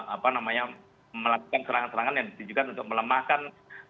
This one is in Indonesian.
apa namanya melakukan serangan serangan yang ditujukan untuk melemahkan